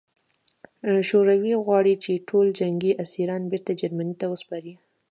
شوروي غواړي چې ټول جنګي اسیران بېرته جرمني ته وسپاري